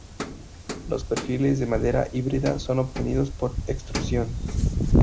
Los perfiles de madera híbrida, son obtenidos por extrusión.